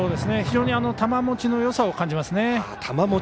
非常に球もちのよさを感じますね。